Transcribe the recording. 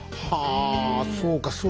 はあそうか。